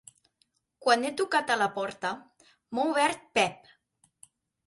Quan he tocat a la porta, m’ha obert Pep.